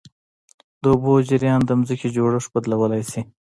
د اوبو جریان د ځمکې جوړښت بدلولی شي.